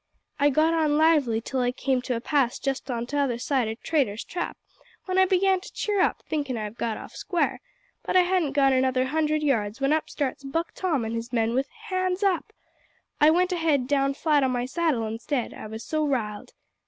I got on lovely till I came to a pass just on t'other side o' Traitor's Trap, when I began to cheer up, thinkin' I'd got off square; but I hadn't gone another hundred yards when up starts Buck Tom an' his men with `hands up.' I went head down flat on my saddle instead, I was so riled.